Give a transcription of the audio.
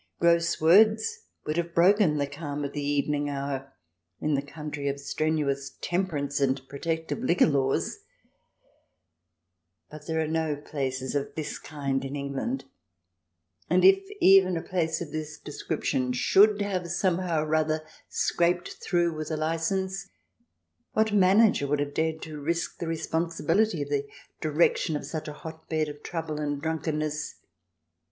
Gross words would have broken the calm of the evening hour in the country of strenuous temperance and protective liquor laws ! But there are no places of this kind in England. And if even a 78 THE DESIRABLE ALIEN [ch. vi place of this description should have, somehow or other, scraped through with a licence, what manager would have dared to risk the responsibility of the direction of such a hot bed of trouble and drunken ness